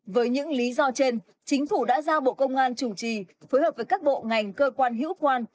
với những lý do trên chính phủ đã giao bộ công an chủ trì phối hợp với các bộ ngành cơ quan hữu quan